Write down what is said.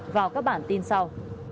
vào các bản tin sau